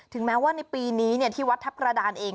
ถึงแม้ว่าในปีนี้เนี่ยที่วัดทัพกระดานเอง